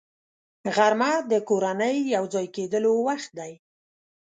غرمه د کورنۍ یو ځای کېدلو وخت دی